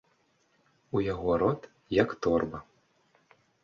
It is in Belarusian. У яго рот, як торба!